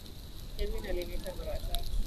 Kevin aliniita mara tatu.